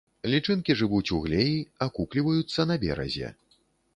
Лічынкі жывуць у глеі, акукліваюцца на беразе.